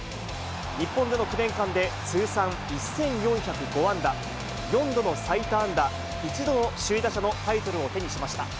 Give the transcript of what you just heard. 日本での９年間で、通算１４０５安打、４度の最多安打、１度の首位打者のタイトルを手にしました。